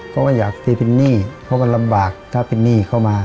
ก็ไม่อยากได้เป็นนี่